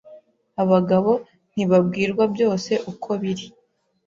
abagabo ntibabwirwa byose uko biri